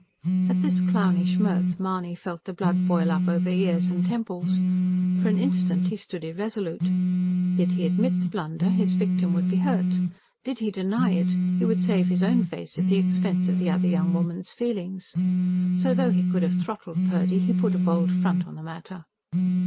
At this clownish mirth, Mahony felt the blood boil up over ears and temples. For an instant he stood irresolute. Did he admit the blunder, his victim would be hurt. Did he deny it, he would save his own face at the expense of the other young woman's feelings. So, though he could have throttled Purdy he put a bold front on the matter.